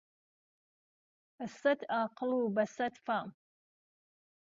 به سەت عاقڵ و بهسەت فام